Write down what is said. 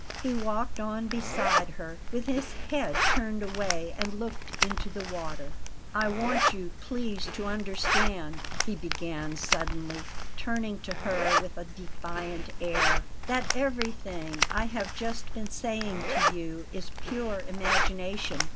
He walked on beside her, with his head turned away, and looked into the water. "I want you, please, to understand," he began suddenly, turning to her with a defiant air, "that everything I have just been saying to you is pure imagination.